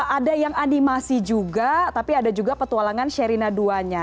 ada yang animasi juga tapi ada juga petualangan sherina dua nya